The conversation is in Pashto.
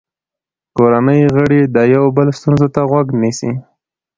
کورنۍ غړي د یو بل ستونزو ته غوږ نیسي